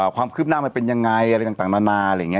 ความคืบหน้ามันเป็นยังไงอะไรต่างนานา